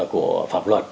của pháp luật